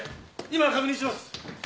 今確認します！